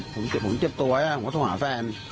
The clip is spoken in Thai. ผมเจ็บตัวผมก็ต้องหาแฟน